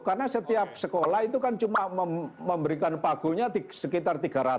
karena setiap sekolah itu kan cuma memberikan pagunya sekitar tiga ratus